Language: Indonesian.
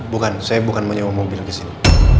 bukan saya bukan mau sewa mobil kesini